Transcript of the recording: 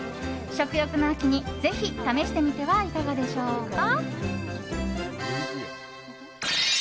食欲の秋にぜひ試してみてはいかがでしょうか。